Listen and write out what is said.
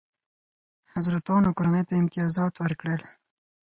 حضرتانو کورنۍ ته امتیازات ورکړل.